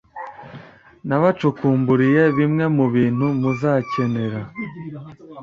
twabacukumburiye bimwe mu bintu muzakenera